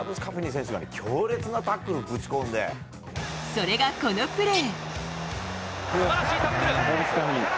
それが、このプレー。